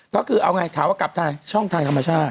ก็คือเอาไงถามว่ากลับทางช่องทางธรรมชาติ